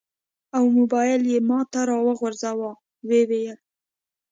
او موبایل یې ماته راوغورځاوه. و یې ویل: